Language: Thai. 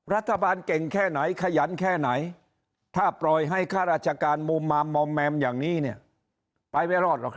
รัฐบาลเก่งแค่ไหนขยันแค่ไหนถ้าปล่อยให้ข้าราชการมุมมาไม้มียังนี้เนี่ย